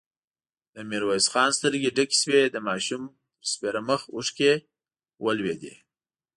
د ميرويس خان سترګې ډکې شوې، د ماشوم پر سپېره مخ اوښکه ولوېده.